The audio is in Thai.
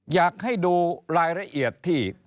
อยากให้ดูรายละเอียดที่